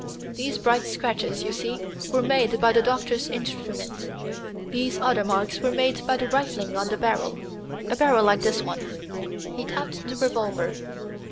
These bright scratches you see, were made by the doctor's instruments. These other marks were made by the rifling of the barrel a barrel like this one." He tapped the revolver.